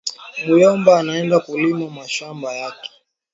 Muyomba anaenda kulima mashamba yake